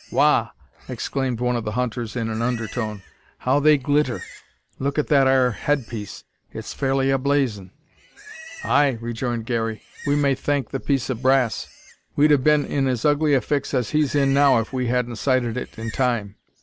"Wagh!" exclaimed one of the hunters in an undertone; "how they glitter! Look at that 'ar headpiece! It's fairly a blazin'!" "Ay," rejoined Garey, "we may thank the piece o' brass. We'd have been in as ugly a fix as he's in now if we hadn't sighted it in time.